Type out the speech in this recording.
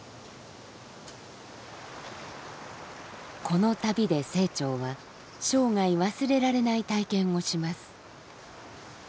この旅で清張は生涯忘れられない体験をします。